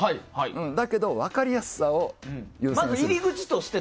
だけど、分かりやすさを優先して。